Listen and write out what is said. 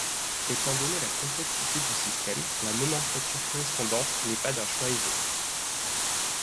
Étant donné la complexité du système, la nomenclature correspondante n'est pas d'un choix aisé.